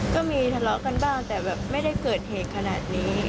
ก็มีทะเลาะกันบ้างแต่แบบไม่ได้เกิดเหตุขนาดนี้